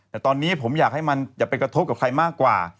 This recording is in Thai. แต่ตอนนี้ผมอยากให้มันอย่าไปกระทบกับใครมากกว่า